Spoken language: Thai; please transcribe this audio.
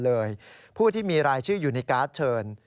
ผู้ที่มีรายชื่ออยู่ในการ์ดเชิญ